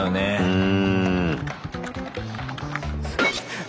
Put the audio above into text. うん。